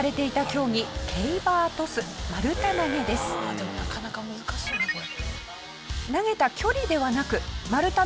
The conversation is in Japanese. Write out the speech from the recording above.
でもなかなか難しそうねこれ。